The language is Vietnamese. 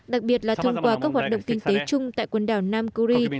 đặc biệt là thông qua các hoạt động kinh tế chung tại quần đảo nam kuri